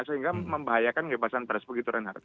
sehingga membahayakan kebebasan pres begitu renhard